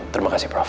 terima kasih prof